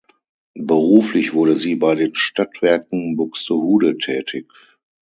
Beruflich wurde sie bei den Stadtwerken Buxtehude tätig.